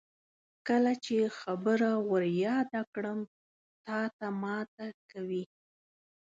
کله چې خبره ور یاده کړم تاته ماته کوي.